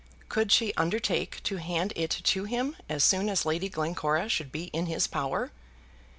Could she undertake to hand it to him as soon as Lady Glencora should be in his power?